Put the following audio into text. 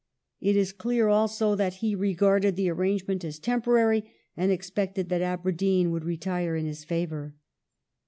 It is clear also that he regarded the arrange ment as temporary and expected that Aberdeen would retire in his favour.